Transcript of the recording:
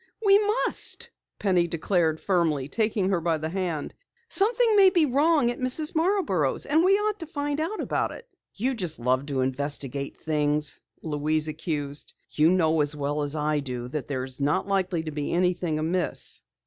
"We must," Penny declared firmly, taking her by the hand. "Something may be wrong at Mrs. Marborough's and we ought to find out about it." "You just love to investigate things," Louise accused. "You know as well as I do that there's not likely to be anything amiss."